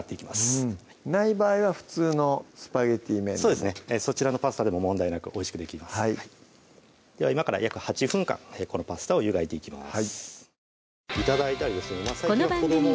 うんない場合は普通のスパゲッティ麺でもそちらのパスタでも問題なくおいしくできますでは今から約８分間このパスタを湯がいていきます